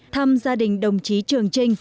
thăm gia đình đồng chí trường trinh